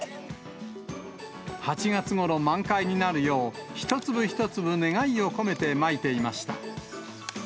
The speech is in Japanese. ８月ごろ満開になるよう、一粒一粒願いを込めてまいていました。